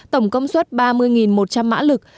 tổng công suất ba mươi một trăm linh mã lực